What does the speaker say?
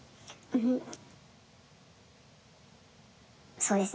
そうですね。